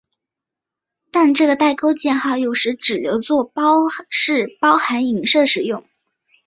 但这个带钩箭号有时只留作表示包含映射时用。